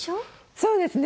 そうですね。